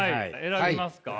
選びますか？